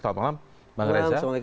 selamat malam bang reza